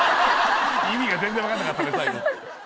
意味が全然分かんなかったね最後。